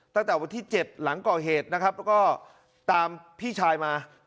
ตั้งแต่วันที่๗หลังก่อเหตุนะครับแล้วก็ตามพี่ชายมา